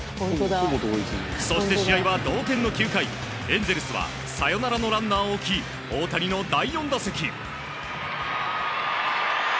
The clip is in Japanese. そして、試合は同点の９回エンゼルスはサヨナラのランナーを置き大谷の第４打席。